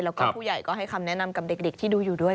แล้วก็ผู้ใหญ่ก็ให้คำแนะนำกับเด็กที่ดูอยู่ด้วย